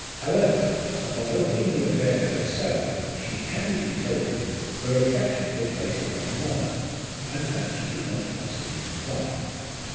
However, upon opening the affair to herself, she candidly told him her affections were placed upon another, and that she could not possibly comply.